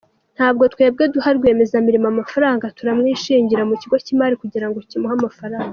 Ntabwo twebwe duha rwiyemezamirimo amafaranga, turamwishingira mu kigo cy’imari kugira ngo kimuhe amafaranga.